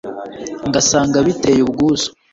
ngasanga biteye ubwuzu